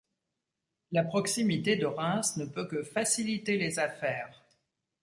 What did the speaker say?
La proximité de Reims ne peut que faciliter les affaires.